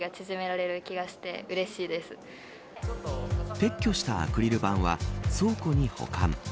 撤去したアクリル板は倉庫に保管。